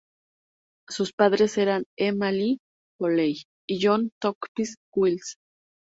Sus padres eran Emma Lee Foley y John Tompkins Wills.